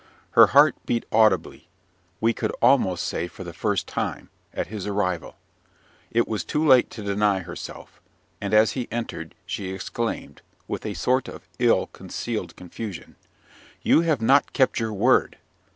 Her heart beat audibly we could almost say for the first time at his arrival. It was too late to deny herself; and, as he entered, she exclaimed, with a sort of ill concealed confusion, "You have not kept your word!"